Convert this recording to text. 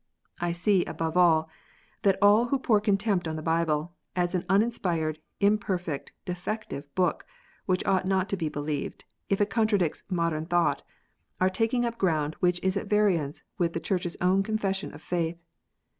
I see, above all, that all who pour contempt on the Bible, as an uninspired, imperfect, defective Book, which ought not to be believed, if it contradicts " modern thought," are taking up ground which is at variance with the Church s own Confession of faith.